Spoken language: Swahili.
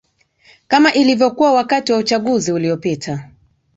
kama ilivyokuwa wakati wa uchaguzi uliopita